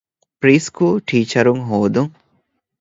ޕްރީސުކޫލު ޓީޗަރުން ހޯދުން